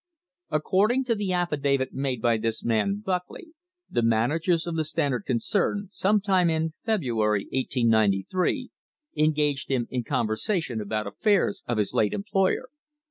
According to the affidavit made by this man Buckley, the managers of the Standard concern, some time in February, 1893, engaged him in conversation about affairs of his late employer.